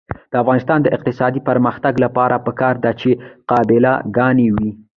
د افغانستان د اقتصادي پرمختګ لپاره پکار ده چې قابله ګانې وي.